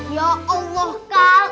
ya allah kak